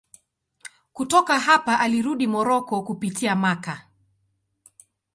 Kutoka hapa alirudi Moroko kupitia Makka.